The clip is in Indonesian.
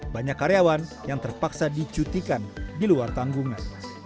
banyak karyawan yang terpaksa dicutikan di luar tanggungan